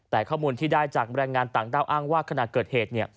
แต่ข้อมูลที่ได้จากแรงงานต่างด้าวอ้างว่าขณะเกิดเหตุ